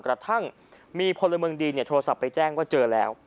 กระทั่งมีพลเมืองดีโทรศัพท์ไปแจ้งว่าเจอแล้ว